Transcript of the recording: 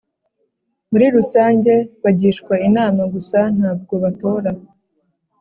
Muri rusange Bagishwa inama gusa ntabwo batora